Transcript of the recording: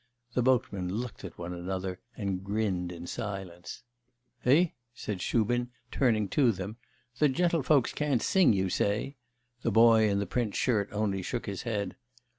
The boatmen looked at one another and grinned in silence. 'Eh?' said Shubin, turning to them, 'the gentlefolks can't sing, you say?' The boy in the print shirt only shook his head.